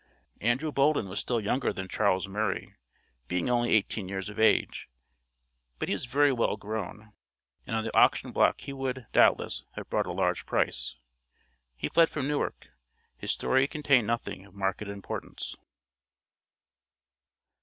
Andrew Bolden was still younger than Charles Murray, being only eighteen years of age, but he was very well grown, and on the auction block he would, doubtless, have brought a large price. He fled from Newark. His story contained nothing of marked importance.